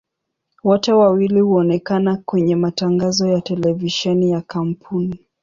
Wote wawili huonekana kwenye matangazo ya televisheni ya kampuni.